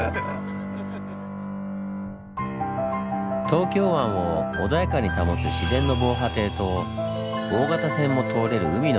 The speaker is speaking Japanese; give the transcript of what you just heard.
東京湾を穏やかに保つ自然の防波堤と大型船も通れる海の道。